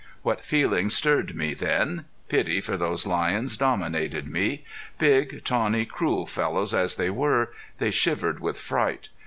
What feelings stirred me then! Pity for those lions dominated me. Big, tawny, cruel fellows as they were, they shivered with fright.